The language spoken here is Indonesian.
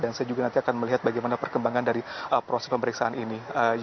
dan saya juga nanti akan melihat bagaimana perkembangan dari proses pemeriksaan ini